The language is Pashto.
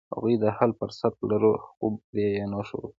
هغوی د حل فرصت لرلو، خو پرې یې نښود.